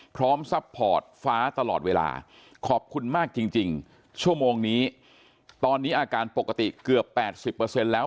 ซัพพอร์ตฟ้าตลอดเวลาขอบคุณมากจริงชั่วโมงนี้ตอนนี้อาการปกติเกือบ๘๐แล้ว